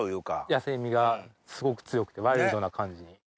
野性味がすごく強くてワイルドな感じに。